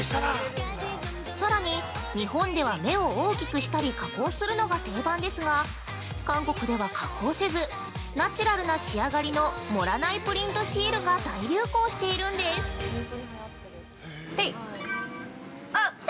さらに日本では目を大きくしたり加工するのが定番ですが、韓国では加工せず、ナチュラルな仕上がりの盛らないプリントシールが大流行しているんです◆ていっ。来た！